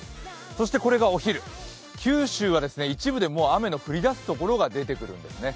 そしてこれがお昼、九州は一部で雨の降り出すところが出てくるんですね。